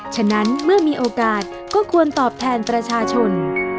ฉะนั้นเมื่อมีโอกาสก็ควรตอบแทนประชาชน